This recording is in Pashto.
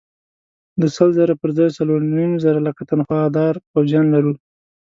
د سل زره پر ځای څلور نیم لکه تنخوادار پوځیان لرو.